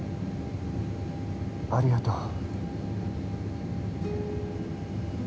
ありがとう。